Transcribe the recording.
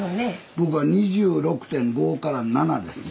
僕は２６．５２７ですね。